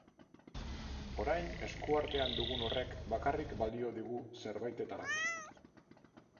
Orain eskuartean dugun horrek bakarrik balio digu zerbaitetarako.